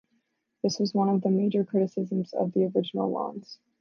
This was one of the major criticisms of the original Ions.